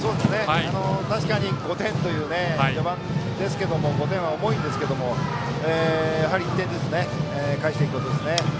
確かに５点という序盤ですけども５点は重いんですけれどもやはり１点ずつ返していくことですね。